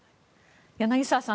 柳澤さん